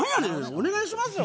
お願いしますよ